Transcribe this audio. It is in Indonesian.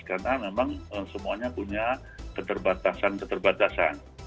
karena memang semuanya punya keterbatasan keterbatasan